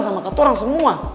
sama katorang semua